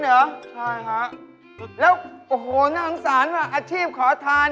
ใช่ค่ะแล้วโอ้โฮนางสารว่าอาชีพขอทาน